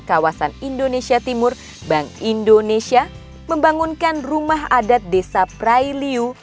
kawasan indonesia timur bank indonesia membangunkan rumah adat desa prailiu